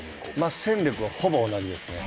戦力は、ほぼ同じですね。